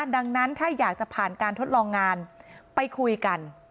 ดังนั้นถ้าอยากจะผ่านการทดลองงานไปคุยกัน